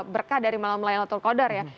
berkah dari malam laylatul qadar ya